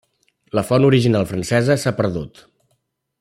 La font original francesa s'ha perdut.